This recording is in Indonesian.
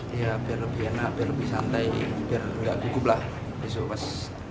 lebih enak lebih santai biar enggak gugup lah besok pas